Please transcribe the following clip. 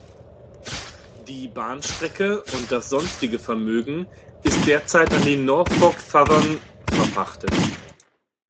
Die Bahnstrecke und das sonstige Vermögen ist derzeit an die Norfolk Southern verpachtet.